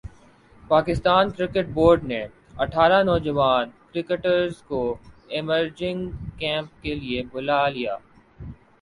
Pakistan cricket board نے اٹھارہ نوجوان کرکٹرز کو ایمرجنگ کیمپ کیلئے بلا لیا